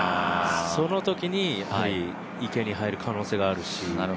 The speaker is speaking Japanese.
そのときに池に入る可能性があるし。